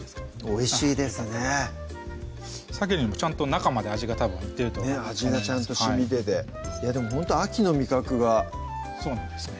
おいしいですねさけにもちゃんと中まで味がたぶん行ってるとねっ味がちゃんとしみててでもほんと秋の味覚がそうなんですね